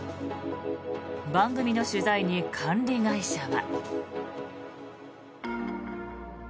番組の取材に管理会社は。